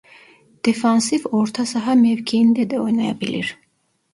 Defansif ortasaha mevkiinde de oynayabilir.